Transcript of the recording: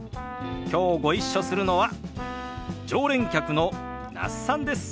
きょうご一緒するのは常連客の那須さんです。